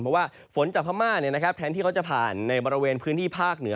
เพราะว่าฝนจากพม่าแทนที่เขาจะผ่านในบริเวณพื้นที่ภาคเหนือ